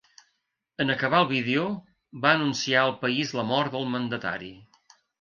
En acabar el vídeo, va anunciar al país la mort del mandatari.